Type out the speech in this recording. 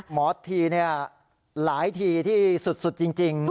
หมอธีเนี่ยหลายทีที่สุดจริง